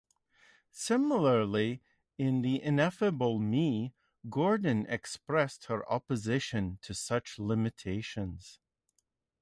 Similarly, in "The Ineffable Me", Gordon expressed her opposition to such limitations.